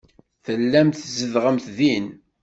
Tellamt tzedɣemt din.